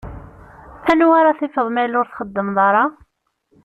Anwa ara tifeḍ ma yella ur txeddmeḍ ara?